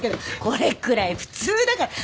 これくらい普通だから。